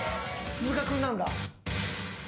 鈴鹿君なんだ。